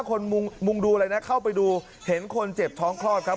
คนมุงดูอะไรนะเข้าไปดูเห็นคนเจ็บท้องคลอดครับ